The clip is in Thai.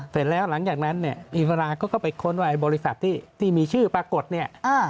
เสร็จแล้วหลังจากนั้นเนี่ยอีฟราเขาก็ไปค้นว่าไอ้บริษัทที่มีชื่อปรากฏเนี่ย